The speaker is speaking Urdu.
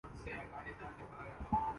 انٹرویو کے بعد اداکار کو مداحوں کی